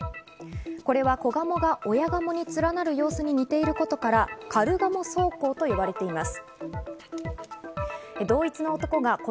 これは子ガモが親ガモに連なる様子に似ていることからカルガモ走行と呼ばれています。